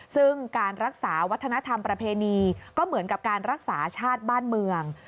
ซึ่งการรักษาวัฒนธรรมประเพณีก็เหมือนกับการรักษาชาติบ้านเมือง